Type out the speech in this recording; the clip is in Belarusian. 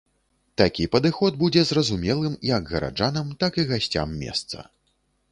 Такі падыход будзе зразумелым як гараджанам, так і гасцям месца.